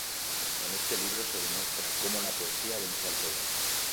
En este libro se demuestra cómo la Poesía vence al Poder.